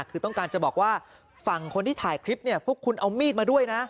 คือต้องการจะบอกว่าฝั่งคนที่ถ่ายคลิปเนี่ยพวกคุณเอามีดมาด้วยนะ